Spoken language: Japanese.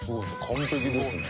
完璧ですね。